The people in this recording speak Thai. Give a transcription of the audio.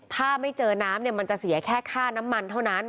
ถ้าไม่เจอน้ำเนี่ยมันจะเสียแค่ค่าน้ำมันเท่านั้น